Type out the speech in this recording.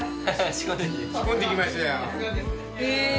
仕込んできましたよ。